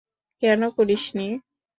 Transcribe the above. কেন করিস নি?